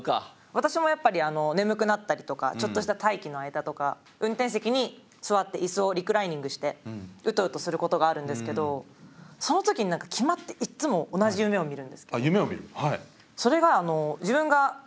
私もやっぱり眠くなったりとかちょっとした待機の間とか運転席に座って椅子をリクライニングしてウトウトすることがあるんですけどその時に何か決まって夢を見る？